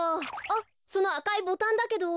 あっそのあかいボタンだけど。